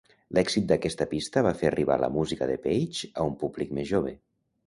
L'èxit d'aquesta pista va fer arribar la música de Page a un públic més jove.